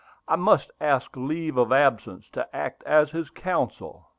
I must ask leave of absence to act as his counsel."